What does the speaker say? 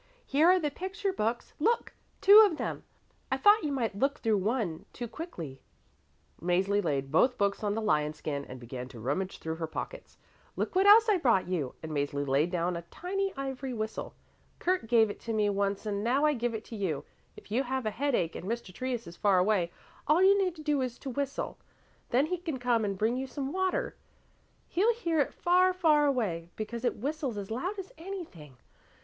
Here are the picture books look! two of them. I thought you might look through one too quickly." Mäzli laid both books on the lion skin and began to rummage through her pockets. "Look what else I brought you," and Mäzli laid down a tiny ivory whistle. "Kurt gave it to me once and now I give it to you. If you have a headache and Mr. Trius is far away, all you need to do is to whistle. Then he can come and bring you some water. He'll hear it far, far away, because it whistles as loud as anything.